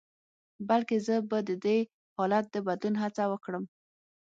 بلکې زه به د دې حالت د بدلون هڅه وکړم.